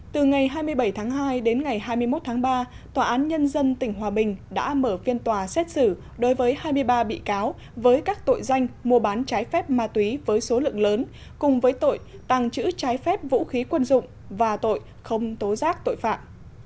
từ ngày hai mươi bảy tháng hai đến ngày hai mươi một tháng ba tòa án nhân dân tỉnh hòa bình đã mở phiên tòa xét xử đối với hai mươi ba bị cáo với các tội danh mua bán trái phép ma túy với số lượng lớn cùng với tội tàng trữ trái phép vũ khí quân dụng và tội không tố giác tội phạm